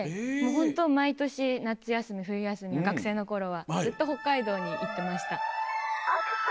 ホント毎年夏休み冬休み学生の頃はずっと北海道に行ってました。